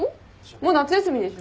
もう夏休みでしょ？